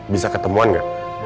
bisa ketemuan gak